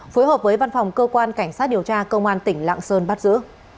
phối hợp với văn phòng cơ quan cảnh sát điều tra công an tỉnh lạng sơn bắt giữ